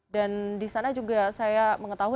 dan di sana juga saya mengetahui ada